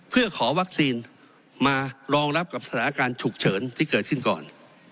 เพื่อขอวัคซีนมารองรับกับสถานการณ์ฉุกเฉินที่เกิดขึ้นก่อน